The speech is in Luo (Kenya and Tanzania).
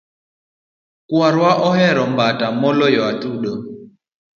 Kwarwa ohero mbata maloyo Atudo